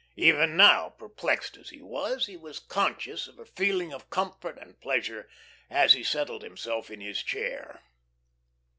Even now, perplexed as he was, he was conscious of a feeling of comfort and pleasure as he settled himself in his chair.